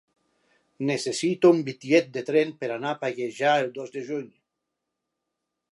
Necessito un bitllet de tren per anar a Pallejà el dos de juny.